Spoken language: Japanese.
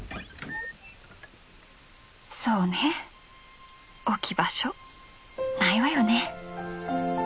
そうね置き場所ないわよネ。